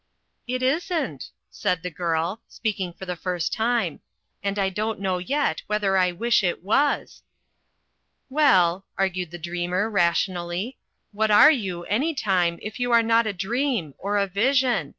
"It isn't," said the girl, speaking for the first time, "and I don't know yet whether I wish it was." *Well," argued the dreamer, rationally, "what are you, an)i;ime, if you're not a dream— or a vision?